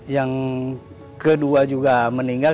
yang kedua juga meninggal